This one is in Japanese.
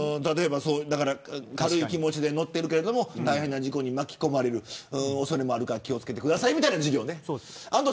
軽い気持ちで乗ってるけども大変な事故に巻き込まれる恐れもあるから気を付けてくださいという授業ね。